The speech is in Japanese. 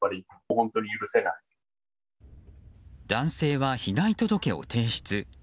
男性は被害届を提出。